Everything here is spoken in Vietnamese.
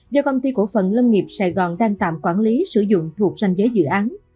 do công ty cổ phần lâm nghiệp sài gòn đang tạm quản lý sử dụng thuộc danh giới dự án